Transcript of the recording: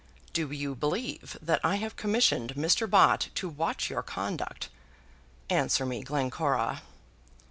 "Do you believe that I have commissioned Mr. Bott to watch your conduct? Answer me, Glencora."